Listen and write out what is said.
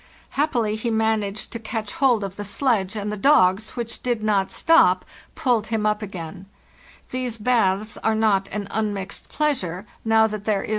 Happily he managed to catch hold of the sledge, and the dogs, which did not stop, pulled him up again. These fe Ta baths are not an unmixed pleasure, now that there is no OVER DIFFICULT PRESSURE MOUNDS.